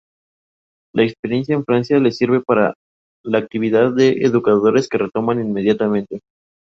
Su experiencia en Francia les sirve para la actividad de educadores que retoman inmediatamente.